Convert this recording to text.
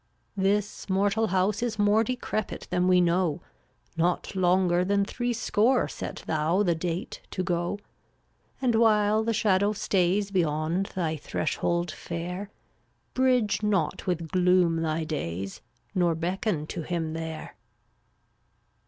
335 This mortal house is more Decrepit than we know; Not longer than three score Set thou the date to go; And while the Shadow stays Beyond thy threshold fair, Bridge not with gloom thy days, Nor beckon to him there.